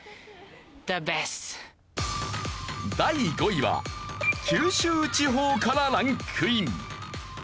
第５位は九州地方からランクイン。